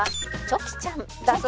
「チョキちゃん？はあ」